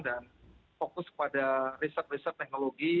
dan fokus pada riset riset teknologi